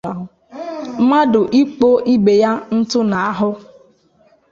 mmadụ ikpo ibè ya ntụ n'ahụ